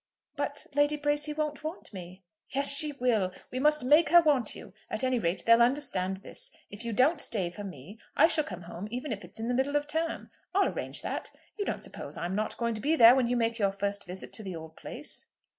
"But Lady Bracy won't want me." "Yes, she will. We must make her want you. At any rate they'll understand this; if you don't stay for me, I shall come home even if it's in the middle of term. I'll arrange that. You don't suppose I'm not going to be there when you make your first visit to the old place."